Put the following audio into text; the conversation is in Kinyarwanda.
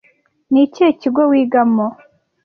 Ni ikihe kigo wigamo